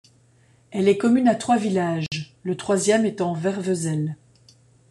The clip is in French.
Elle est commune à trois villages, le troisième étant Vervezelle.